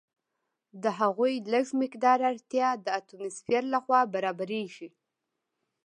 د هغوی لږ مقدار اړتیا د اټموسفیر لخوا برابریږي.